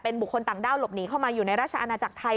บุคคลต่างด้าวหลบหนีเข้ามาอยู่ในราชอาณาจักรไทย